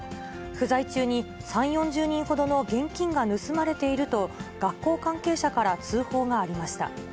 不在中に３、４０人ほどの現金が盗まれていると、学校関係者から通報がありました。